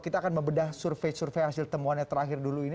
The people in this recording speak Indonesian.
kita akan membedah survei survei hasil temuannya terakhir dulu ini